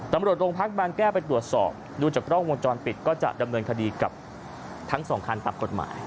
ตำรวจโรงพักบางแก้วไปตรวจสอบดูจากกล้องวงจรปิดก็จะดำเนินคดีกับทั้งสองคันตามกฎหมาย